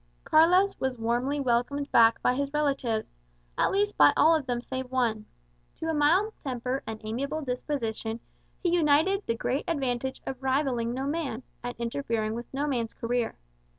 Carlos was warmly welcomed back by his relatives at least by all of them save one. To a mild temper and amiable disposition he united the great advantage of rivalling no man, and interfering with no man's career.